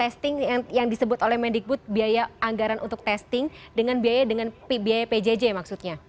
testing yang disebut oleh mendikbud biaya anggaran untuk testing dengan biaya pjj maksudnya